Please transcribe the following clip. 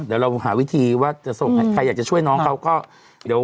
เดี๋ยวเราหาวิธีว่าจะส่งใครอยากจะช่วยน้องเขาก็เดี๋ยว